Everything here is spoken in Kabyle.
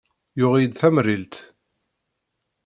Yuɣ-iyi-d tamrilt.